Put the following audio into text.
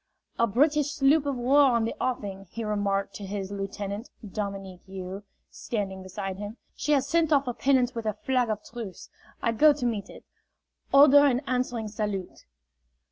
"A British sloop of war in the offing," he remarked to his lieutenant, Dominique You, standing beside him. "She has sent off a pinnace with a flag of truce. I go to meet it. Order an answering salute."